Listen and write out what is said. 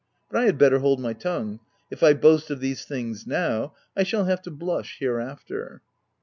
But I had better hold my tongue: if I boast of these things now, I shall have to blush here after.